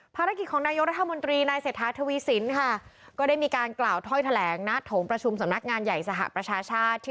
ภารกิจของนายกรัฐมนตรีนายเศรษฐาทวีสินค่ะก็ได้มีการกล่าวถ้อยแถลงณโถงประชุมสำนักงานใหญ่สหประชาชาติ